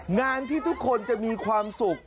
งานที่ทุกคนจะมีความสุข